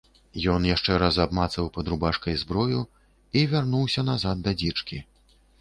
Ён яшчэ раз абмацаў пад рубашкай зброю і вярнуўся назад да дзічкі.